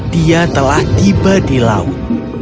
dia telah tiba di laut